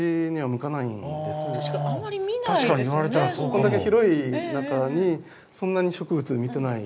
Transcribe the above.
こんだけ広い中にそんなに植物見てない。